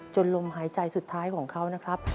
ลมหายใจสุดท้ายของเขานะครับ